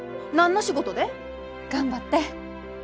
何の仕事で？頑張って。